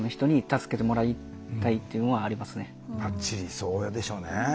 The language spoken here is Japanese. そうでしょうね。